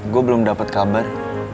gue belum dapat kabar